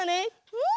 うん。